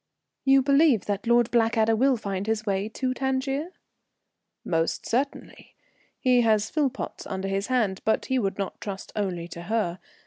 "You believe that Lord Blackadder will find his way to Tangier?" "Most certainly. He has Philpotts under his hand, but he would not trust only to her.